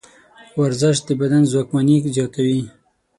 ورزش د بدن ځواکمني زیاتوي.